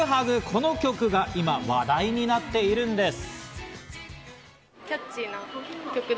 この曲が今話題になっているんです。